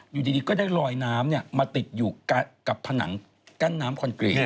อยู่ดีก็ได้ลอยน้ำมาติดอยู่กับผนังกั้นน้ำคอนกรีต